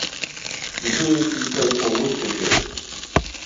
She previously played for Worcestershire.